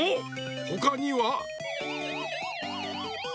ほかには？